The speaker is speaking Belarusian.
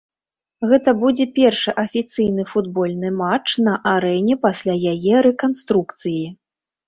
Гэта будзе першы афіцыйны футбольны матч на арэне пасля яе рэканструкцыі.